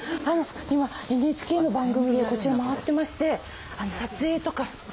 今ＮＨＫの番組でこちら回ってまして。